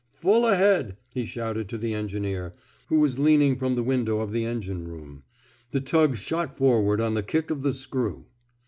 Full ahead,'' he shouted to the engineer, who was leaning from the window of the engine room. The tug shot forward on the kick of the screw.